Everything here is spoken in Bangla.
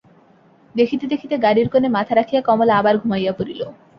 দেখিতে দেখিতে গাড়ির কোণে মাথা রাখিয়া কমলা আবার ঘুমাইয়া পড়িল।